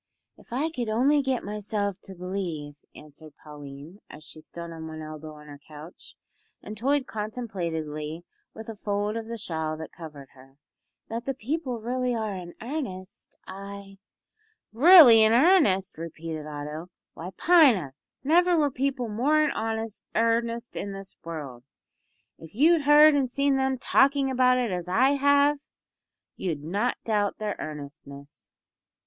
"If I could only get myself to believe," answered Pauline, as she leaned on one elbow on her couch, and toyed contemplatively with a fold of the shawl that covered her, "that the people are really in earnest, I " "Really in earnest!" repeated Otto. "Why, Pina, never were people more in earnest in this world. If you'd heard and seen them talking about it as I have, you'd not doubt their earnestness.